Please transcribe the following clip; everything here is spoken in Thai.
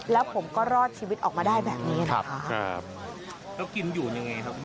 แล้วผมก็รอดชีวิตออกมาได้แบบนี้นะคะ